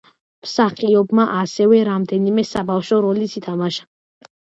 მსახიობმა ასევე რამდენიმე საბავშვო როლიც ითამაშა.